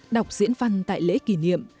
đọc diễn văn tại lễ kỷ niệm